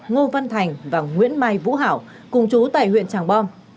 ngô văn thành và nguyễn mai vũ hảo cùng chú tại huyện tràng bom